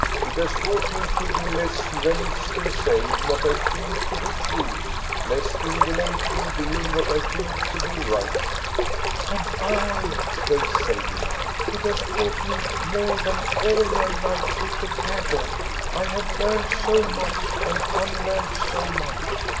It has taught me to be less remiss in saying what I think to be true, less indolent in doing what I feel to be right." "And I," cried Sadie. "It has taught me more than all my life put together. I have learned so much and unlearned so much.